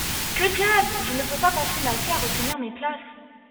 Que diable ! je ne peux pas passer ma vie à retenir mes places.